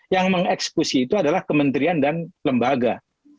yang mengeksekusi itu adalah kementerian dan lembaga